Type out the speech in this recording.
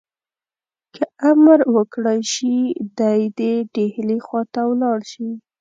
که امر وکړای شي دی دي ډهلي خواته ولاړ شي.